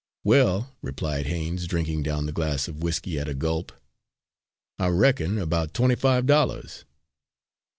"Well," replied Haines, drinking down the glass of whiskey at a gulp, "I reckon about twenty five dollars."